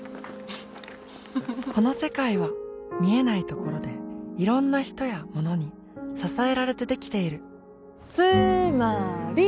この世界は見えないところでいろんな人やものに支えられてできているつーまーり！